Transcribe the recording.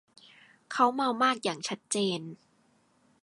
เค้าเมามากอย่างชัดเจน